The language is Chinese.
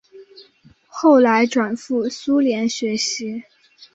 后来转赴苏联学习。